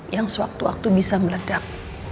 yang sewaktu waktu bisa meledak